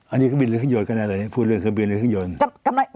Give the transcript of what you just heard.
อันนี้เครื่องบินหรือเครื่องยนต์ก็ได้ตอนนี้พูดเรื่องเครื่องบินหรือเครื่องยนต์